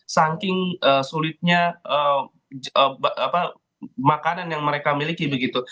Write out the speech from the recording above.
saking sulitnya makanan yang mereka miliki begitu